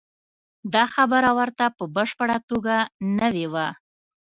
دا خبره ورته په بشپړه توګه نوې وه.